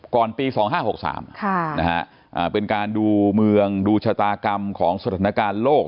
ก่อนปีสองห้าหกสามนะฮะอ่าเป็นการดูเมืองดูชาตากรรมของสถานการณ์โลก